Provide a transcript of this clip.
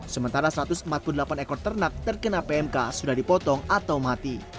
sementara satu ratus empat puluh delapan ekor ternak terkena pmk sudah dipotong atau mati